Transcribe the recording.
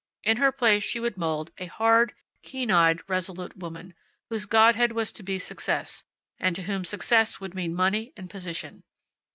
In her place she would mold a hard, keen eyed, resolute woman, whose godhead was to be success, and to whom success would mean money and position.